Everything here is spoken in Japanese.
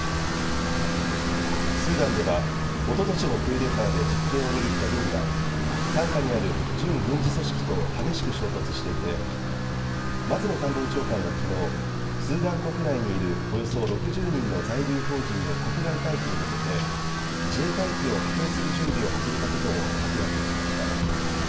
スーダンではおととしのクーデターで実権を握った軍が傘下にある準軍事組織と激しく衝突していて松野官房長官はきのうスーダン国内にいるおよそ６０人の在留邦人の国外退避に向けて自衛隊機を派遣する準備を始めたことを明らかにしました。